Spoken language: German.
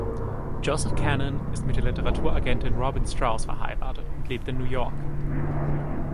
Joseph Kanon ist mit der Literaturagentin Robin Straus verheiratet und lebt in New York.